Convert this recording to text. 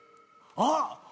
あっ！